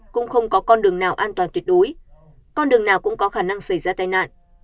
cũng không có con đường nào an toàn tuyệt đối con đường nào cũng có khả năng xảy ra tai nạn